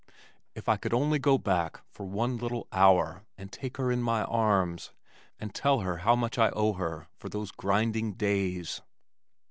If I could only go back for one little hour and take her in my arms, and tell her how much I owe her for those grinding days!